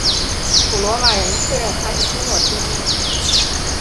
古罗马人确认她是朱诺之一。